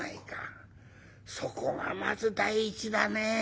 そこがまず第一だね。